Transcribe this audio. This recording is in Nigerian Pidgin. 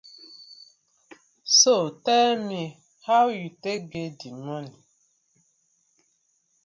So tell me, how yu tak get di moni?